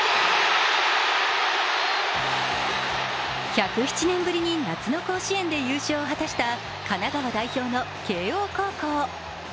１０７年ぶりに夏の甲子園で優勝を果たした神奈川代表の慶応高校。